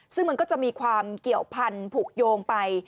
ซึ่งมันก็จะมีความเกี่ยวพันธุ์ผูกโยงไป